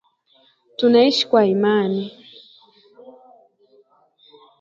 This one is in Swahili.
Tunaishi kwa Imani.